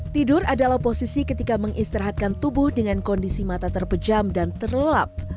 tidur adalah posisi ketika mengistirahatkan tubuh dengan kondisi mata terpejam dan terlelap